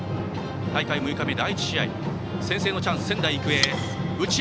大会６日目第１試合先制のチャンス、仙台育英。